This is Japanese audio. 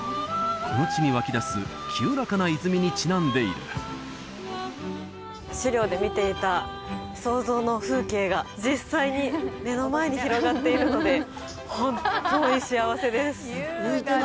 この地に湧き出す清らかな泉にちなんでいる資料で見ていた想像の風景が実際に目の前に広がっているので本当に幸せです